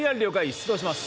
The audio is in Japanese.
出動します